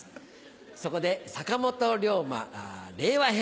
そこで坂本龍馬令和編。